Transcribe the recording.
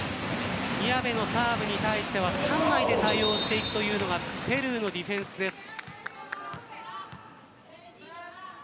宮部のサーブに対しては３枚で対応していくというのがペルーのディフェンスです。